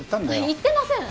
言ってません。